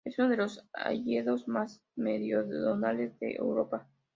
Es uno de los hayedos más meridionales de Europa.